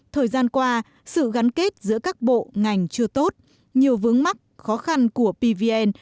thời gian qua sự gắn kết giữa các bộ ngành chưa tốt nhiều vướng mắc khó khăn của pvn